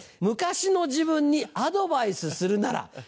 「昔の自分にアドバイスするなら？」。